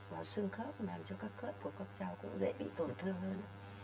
và xương khớp làm cho các khớp của các cháu cũng dễ bị tổn thương hơn